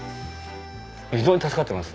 非常に助かってます。